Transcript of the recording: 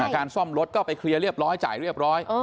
การซ่อมรถก็ไปเคลียร์เรียบร้อยจ่ายเรียบร้อย